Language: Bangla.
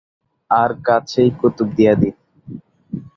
আর কাছেই কুতুবদিয়া দ্বীপ।